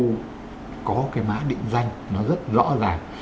thì đều có cái mã định danh nó rất rõ ràng